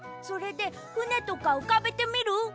それでふねとかうかべてみる？